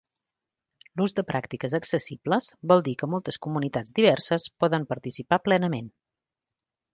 L'ús de pràctiques accessibles vol dir que moltes comunitats diverses poden participar plenament.